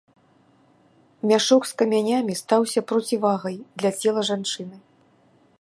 Мяшок з камянямі стаўся процівагай для цела жанчыны.